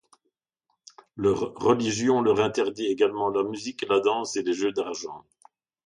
Leur religion leur interdit également la musique, la danse et les jeux d'argent.